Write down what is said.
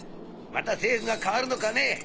また政府が変わるのかね。